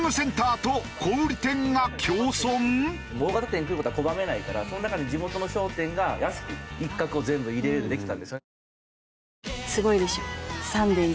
大型店くる事は拒めないからその中に地元の商店が安く一角を全部入れられるようにできたんですよね。